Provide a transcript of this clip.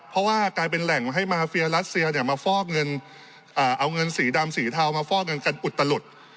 เพราะว่ากลายเป็นแหล่งให้มาเฟียรัสเซียเนี่ยมาฟอกเงินเอาเงินสีดำสีเทามาฟอกเงินกันอุตลุด